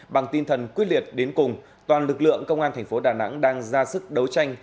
bằng tinh thần quyết liệt đến cùng toàn lực lượng công an thành phố đà nẵng đang ra sức đấu tranh